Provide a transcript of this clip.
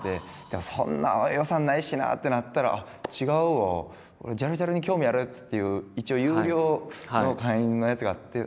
でもそんな予算ないしなってなったらあっ違うわ「ジャルジャルに興味ある奴」っていう一応有料の会員のやつがあって。